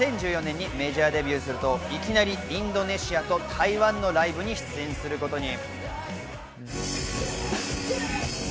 ２０１４年にメジャーデビューすると、いきなりインドネシアと台湾のライブに出演することに。